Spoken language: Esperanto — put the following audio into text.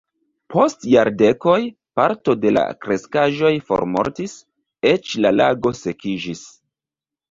Post jardekoj parto de la kreskaĵoj formortis, eĉ la lago sekiĝis.